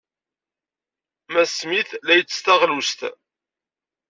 Mass Smith la ittess taɣlust.